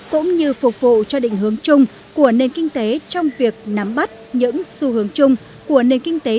cũng như phục vụ cho định hướng chung của nền kinh tế trong việc nắm bắt những xu hướng chung của nền kinh tế